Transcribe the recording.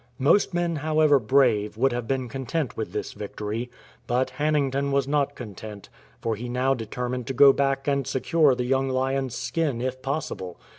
Most men, however brave, would have been content with this victory. But Hannington was not content ; for he now determined to go back and secure the young lion's skin if possible.